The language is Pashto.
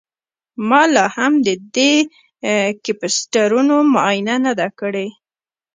ما لاهم د دې کیپیسټرونو معاینه نه ده کړې